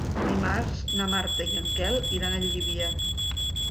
Dilluns na Marta i en Quel iran a Llívia.